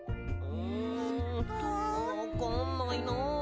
うんわかんないな。